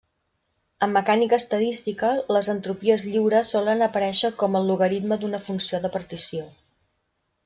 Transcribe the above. En mecànica estadística, les entropies lliures solen aparèixer com el logaritme d'una funció de partició.